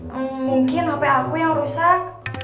hmm mungkin hp aku yang rusak